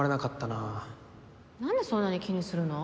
なんでそんなに気にするの？